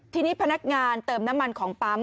ทีนี้พนักงานเติมน้ำมันของปั๊ม